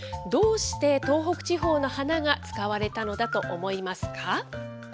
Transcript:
どうして東北地方の花が使われたのだと思いますか。